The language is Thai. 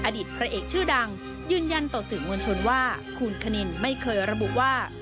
อดีตพระเอกชื่อดังยืนยันต่อสื่อมวลชนว่าคุณคณินไม่เคยระบุว่า